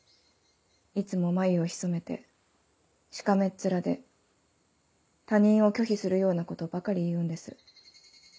いつも眉をひそめてしかめっ面で他人を拒否するようなことばかり言うんです。